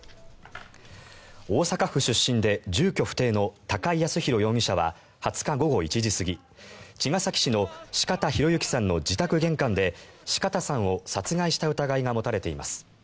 大阪府出身で住居不定の高井靖弘容疑者は２０日午後１時過ぎ茅ヶ崎市の四方洋行さんの自宅玄関で四方さんを殺害した疑いが持たれています。